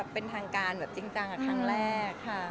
เป็นทางการจริงจังครั้งแรกค่ะ